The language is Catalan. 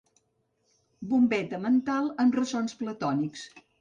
Bombeta mental amb ressons platònics.